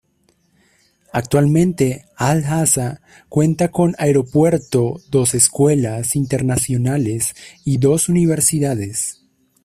Actualmente Al-Hasa cuenta con aeropuerto, dos escuelas internacionales y dos universidades.